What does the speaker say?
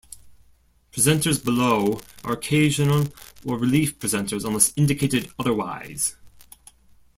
Presenters below are occasional or relief presenters unless indicated otherwise.